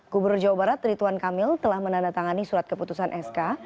gubernur jawa barat rituan kamil telah menandatangani surat keputusan sk